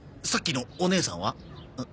さっきのお姉さんは？